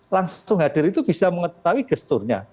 langsung hadir itu bisa mengetahui gesturnya